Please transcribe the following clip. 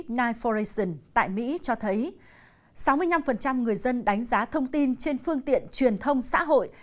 knige foration tại mỹ cho thấy sáu mươi năm người dân đánh giá thông tin trên phương tiện truyền thông xã hội